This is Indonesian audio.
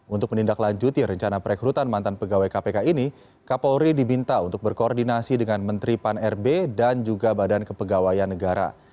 untuk menindaklanjuti rencana perekrutan mantan pegawai kpk ini kapolri diminta untuk berkoordinasi dengan menteri pan rb dan juga badan kepegawaian negara